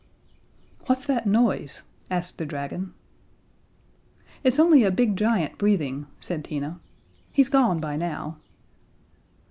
"What's that noise?" asked the dragon. "It's only a big giant breathing," said Tina, "He's gone by now."